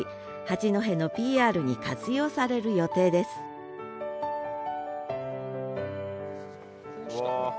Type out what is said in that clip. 八戸のＰＲに活用される予定ですうわ。